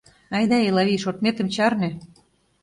Айда, Элавий, шортметым чарне.